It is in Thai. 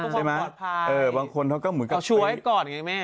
ใช่ไหมความปลอดภัยเออบางคนเขาก็เหมือนกับเอาช่วยก่อนไงแม่